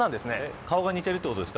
顔が似てるってことですか。